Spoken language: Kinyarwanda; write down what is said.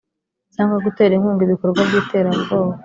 Cyangwa gutera inkunga ibikorwa by iterabwoba